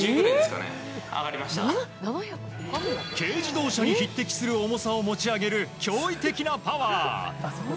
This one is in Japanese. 軽自動車に匹敵する重さを持ち上げる、驚異的なパワー。